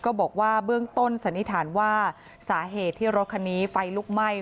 บอกว่าเบื้องต้นสันนิษฐานว่าสาเหตุที่รถคันนี้ไฟลุกไหม้